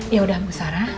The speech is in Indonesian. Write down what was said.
yaudah bu sarah